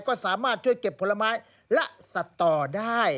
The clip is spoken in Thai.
ก็สามารถช่วยเก็บพละไม้ละสต่อได้